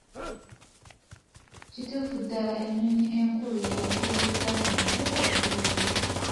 Kituufu ddala ennyonyi enkulu yeeyiriza ento okubuuka.